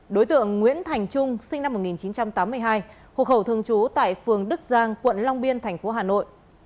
đối tượng nguyễn thành trung sinh năm một nghìn chín trăm tám mươi hai hộ khẩu thường trú tại phường đức giang quận long biên thành phố hà nội